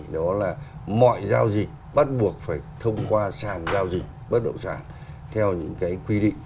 đó là mọi giao dịch bắt buộc phải thông qua sàn giao dịch bất động sản theo những cái quy định